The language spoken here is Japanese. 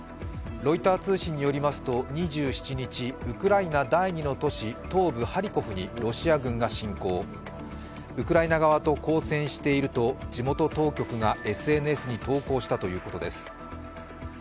ロイター通信によりますと２７日、ウクライナ第２の都市、東部ハリコフにロシア軍が侵攻、ウクライナ側と交戦していると地元当局がＳＮＳに投稿したということです。